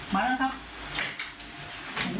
มาแล้วครับ